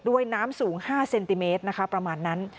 น้ำสูง๕เซนติเมตรนะคะประมาณนั้น